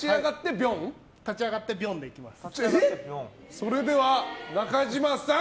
それでは中島さん。